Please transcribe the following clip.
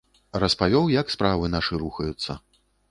Распавёў, як справы нашы рухаюцца.